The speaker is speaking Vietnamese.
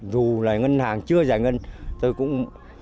dù là ngân hàng chưa giải ngân tôi cũng